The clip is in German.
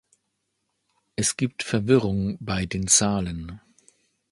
Es gibt Verwirrung bei den Zahlen.